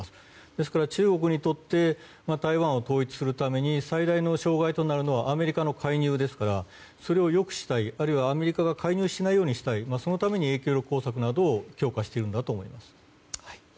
ですから中国にとって台湾を統一するために最大の障害となるのはアメリカの介入ですからそれを抑止したいあるいはアメリカが介入しないようにしたいそのために強化しているんだと思います。